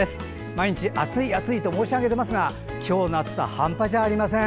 毎日、暑い暑いと申し上げていますが今日の暑さ半端じゃありません。